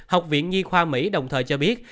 học viện nghi khoa mỹ đồng thời cho biết